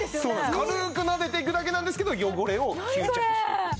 軽くなでていくだけなんですけど汚れを吸着していく。